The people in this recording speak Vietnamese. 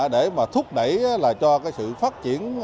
để thúc đẩy cho sự phát triển